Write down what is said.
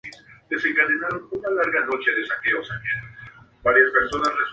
Los enfrentamientos empezaron cuando los manifestantes consiguieron capturar la comisaría de policía.